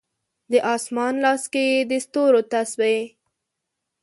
د اسمان لاس کې یې د ستورو تسبې